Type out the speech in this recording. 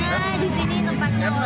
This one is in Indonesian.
harapnya di sini tempatnya